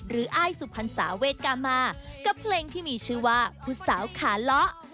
อ้ายสุพรรษาเวกามากับเพลงที่มีชื่อว่าผู้สาวขาเลาะ